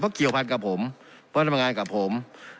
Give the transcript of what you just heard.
เพราะเกี่ยวพันกับผมเพราะทำงานกับผม